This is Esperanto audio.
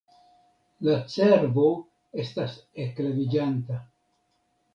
La cervo estas ekleviĝanta.